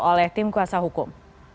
oleh tim kuasa hukum